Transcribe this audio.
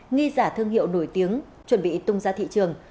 nghi giả thương hiệu nổi tiếng chuẩn bị tung ra thị trường